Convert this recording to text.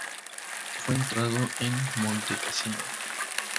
Fue enterrado en Montecassino.